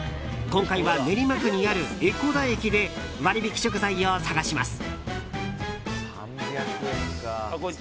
今回は練馬区にある江古田駅で割引食材を探します。